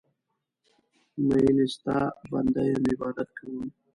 میینې ستا بنده یم عبادت کوم